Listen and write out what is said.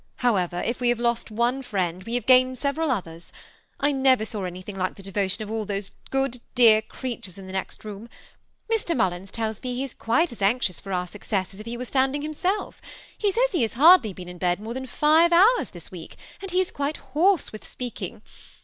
However, if we have lost one friend, we have gained several others. I never saw anything like the devotion of all those dear good creatures in the next room. Mr. MuUins tells me he 276 THE SEMI ATTACHED COUPLE. is quite as anxious for our success as if he were stand ing himself; he says he has hardly been in bed more than five hours this week, and he is quite hoarse with speaking.